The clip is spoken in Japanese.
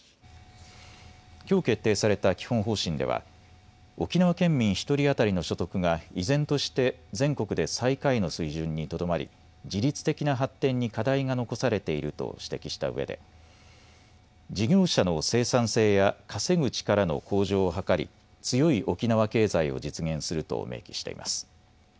きょう決定された基本方針では沖縄県民１人当たりの所得が依然として全国で最下位の水準にとどまり自立的な発展に課題が残されていると指摘したうえで事業者の生産性や稼ぐ力の向上を図り、強い沖縄経済を実現すると明記しています。